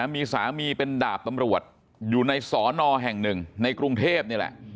มีสามีเป็นดาบตำรวจอยู่ในสอนอแห่งหนึ่งในกรุงเทพนี่แหละ